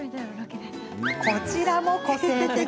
こちらも個性的。